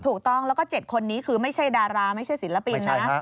ถูกต้องแล้วก็๗คนนี้คือไม่ใช่ดาราไม่ใช่ศิลปินนะ